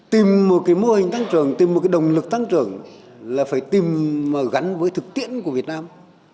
tìm một cái mô hình tăng trưởng tìm một cái động lực tăng trưởng là phải tìm gắn với thực tiễn của việt nam